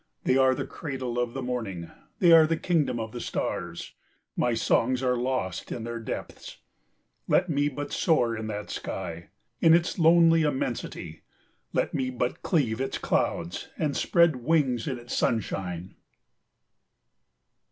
They are the cradle of the morning, they are the kingdom of the stars. My songs are lost in their depths. Let me but soar in that sky, in its lonely immensity. Let me but cleave its clouds and spread wings in its sunshine.